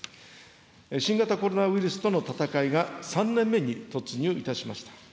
新型コロナウイルスとの闘いが３年目に突入いたしました。